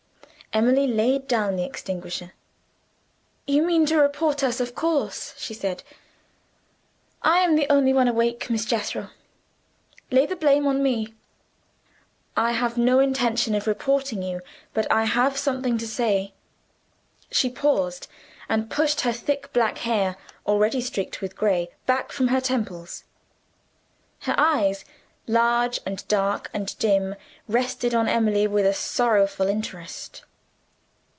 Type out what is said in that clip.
Emily laid down the extinguisher. "You mean to report us, of course," she said. "I am the only one awake, Miss Jethro; lay the blame on me." "I have no intention of reporting you. But I have something to say." She paused, and pushed her thick black hair (already streaked with gray) back from her temples. Her eyes, large and dark and dim, rested on Emily with a sorrowful interest.